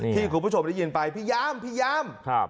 คุณผู้ชมได้ยินไปพี่ยามพี่ยาม